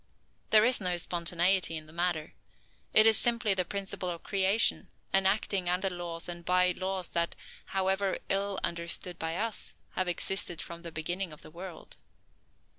There is no spontaneity in the matter. It is simply the principle of creation, and acting under laws and by ways that, however ill understood by us, have existed from the beginning of the world.